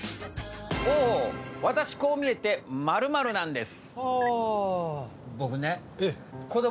私こう見えて○○なんです！